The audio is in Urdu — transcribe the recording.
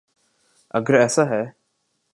اگر ایسا ہے۔